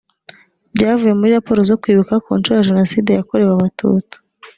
byavuye muri raporo zo kwibuka ku nshuro ya jenoside yakorewe abatutsi